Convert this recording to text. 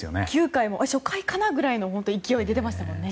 ９回も初回かなというくらいの勢いが出てましたね。